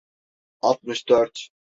Altmış dört.